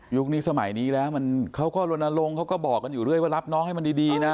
นี้สมัยนี้แล้วเขาก็ลนลงเขาก็บอกกันอยู่เรื่อยว่ารับน้องให้มันดีนะ